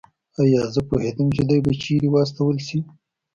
ایا زه پوهېدم چې دی به چېرې واستول شي؟